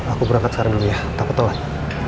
aku berangkat sekarang dulu ya tak petulang